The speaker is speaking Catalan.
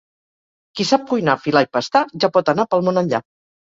Qui sap cuinar, filar i pastar ja pot anar pel món enllà.